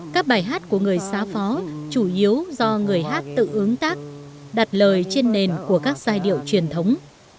các bài hát của người xá phó chủ yếu do người hát tự ứng tác đặt lời trên nền của các giai điệu truyền thống